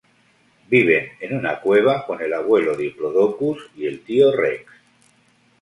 Viven en una cueva con el abuelo Diplodocus y el tío Rex.